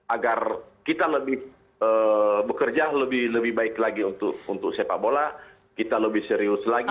agar kita lebih bekerja lebih baik lagi untuk sepak bola kita lebih serius lagi